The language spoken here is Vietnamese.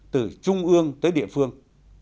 từ trung ương tới địa phương